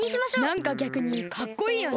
なんかぎゃくにかっこいいよね。